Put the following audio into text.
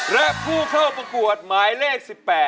และผู้เข้าประกวดหมายเลข๑๘